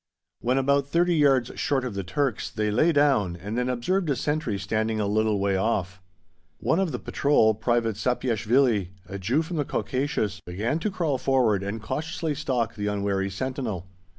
When about thirty yards short of the Turks they lay down and then observed a sentry standing a little way off. One of the patrol, Private Sapieshvili, a Jew from the Caucasus, began to crawl forward and cautiously stalk the unwary sentinel.